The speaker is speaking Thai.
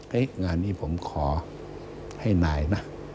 เฮ้ยงานนี้ผมขอให้หน่ายนะ